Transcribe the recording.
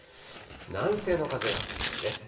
南西の風が吹くためです。